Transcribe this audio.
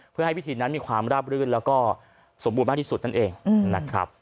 เพื่อให้พิธีนั้นมีความราบรื่นแล้วก็สมบูรณ์มากที่สุดนั่นเองนะครับ